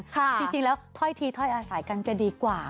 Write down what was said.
จริงแล้วถ้อยทีถ้อยอาศัยกันจะดีกว่า